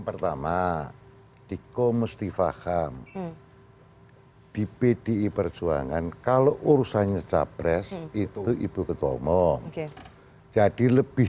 pertama dikomustifahkan di pdi perjuangan kalau urusannya capres itu ibu ketua umum jadi lebih